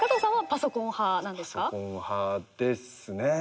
パソコン派ですね。